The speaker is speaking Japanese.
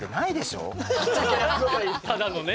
ただのね。